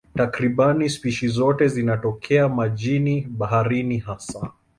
Takriban spishi zote zinatokea majini, baharini hasa.